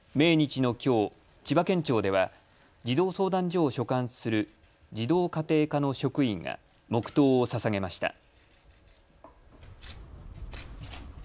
命日のきょう、千葉県庁では児童相談所を所管する児童家庭課の職員が黙とうをささげました。